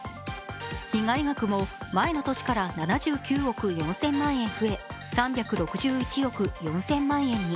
被害額も前の年から７９億４０００万円増え３６１億４０００万円に。